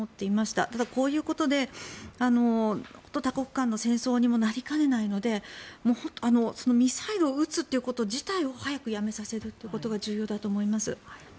ただ、こういうことで多国間の戦争にもなりかねないのでミサイルを撃つってこと自体を早くやめさせることが重要だと思います。